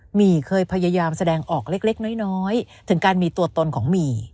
หมี่เคยพยายามแสดงออกเล็กน้อยถึงการมีตัวตนของหมี่